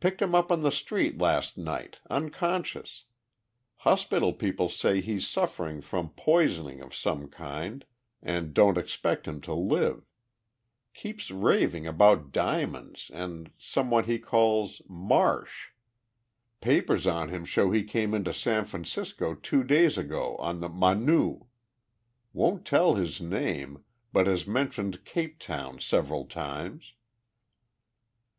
Picked him up on the street last night, unconscious. Hospital people say he's suffering from poisoning of some kind and don't expect him to live. Keeps raving about diamonds and some one he calls 'Marsh.' Papers on him show he came into San Francisco two days ago on the Manu. Won't tell his name, but has mentioned Cape Town several times."